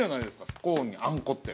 スコーンにあんこって。